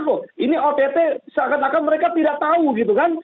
oh ini ott seakan akan mereka tidak tahu gitu kan